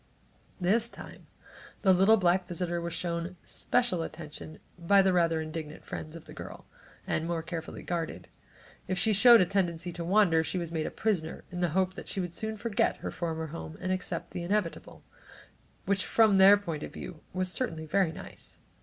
This time the little black visitor was shown special attention by the rather indignant friends of the girl, and more carefully guarded. If she showed a tendency to wander, she was made a prisoner in the hope that she would soon forget her former home and accept the inevitable, which from their point of view, was certainly very nice.